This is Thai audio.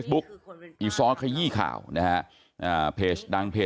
คือคือคือคือ